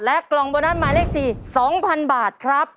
กล่องโบนัสหมายเลข๔๒๐๐๐บาทครับ